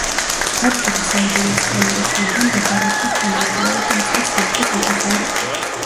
ადგილი საიდანაც კრემლი ჩანდა მდებარეობდა თანამედროვე ტაძრის სამხრეთ-აღმოსავლეთით.